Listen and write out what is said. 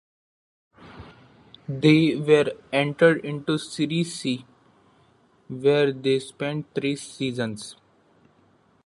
They were entered into Serie C, where they spent three seasons.